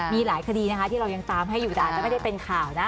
มีหลายคดีนะคะที่เรายังตามให้อยู่แต่อาจจะไม่ได้เป็นข่าวนะ